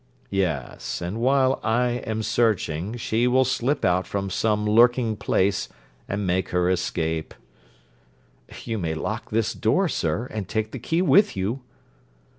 'Yes, and while I am searching, she will slip out from some lurking place, and make her escape.' 'You may lock this door, sir, and take the key with you.'